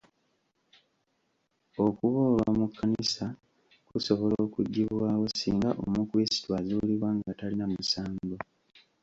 Okuboolwa mu kkanisa kusobola okuggibwawo singa omukrisitu azuulibwa nga talina musango.